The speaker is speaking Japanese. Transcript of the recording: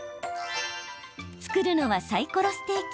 作るのはサイコロステーキ。